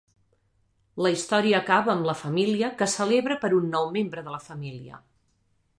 La història acaba amb la família que celebra per un nou membre de la família.